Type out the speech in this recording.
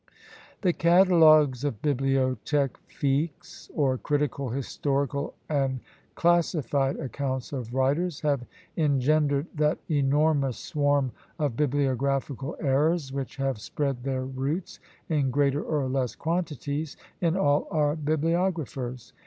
"The catalogues of bibliothèques fixes (or critical, historical, and classified accounts of writers) have engendered that enormous swarm of bibliographical errors, which have spread their roots, in greater or less quantities, in all our bibliographers."